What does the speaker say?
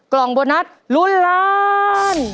กล่องโบนัสลุ้นล้าน